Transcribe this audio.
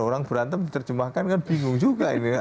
orang berantem diterjemahkan kan bingung juga ini